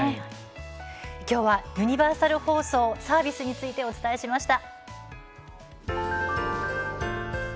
きょうはユニバーサル放送・サービスについてお伝えしました。